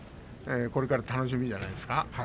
これから楽しみじゃないですか。